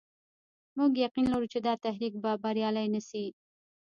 موږ يقين لرو چې دا تحریک به بریالی نه شي.